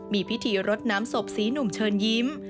มีพิธีรดน้ำศพสีหนุ่มเชิญยิ้ม